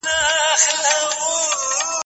کار مهارتونه، تجربه او پوهه زیاتوي.